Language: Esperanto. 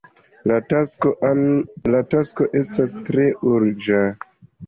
La tasko ankaŭ estas tre urĝa.